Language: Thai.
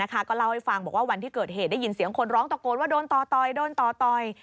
ก็เล่าให้ฟังบอกว่าวันที่เกิดเหตุได้ยินเสียงคนร้องตะโกนว่าโดนต่อยโดนต่อต่อย